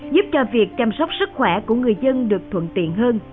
giúp cho việc chăm sóc sức khỏe của người dân được thuận tiện hơn